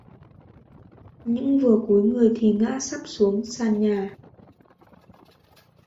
Những vừa cúii người thì ngã sắp luôn xuống sàn nhà